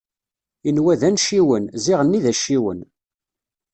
Inwa d anciwen, ziɣenni d acciwen.